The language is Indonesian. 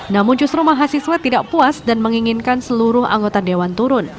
namun justru mahasiswa tidak puas dan menginginkan seluruh anggota dewan turun